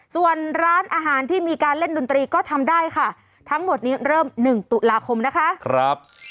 ส่วนร้านอาหารที่มีการเล่นดนตรีก็ทำได้ค่ะทั้งหมดนี้เริ่ม๑ตุลาคมนะคะ